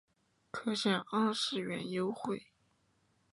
可享二十元优惠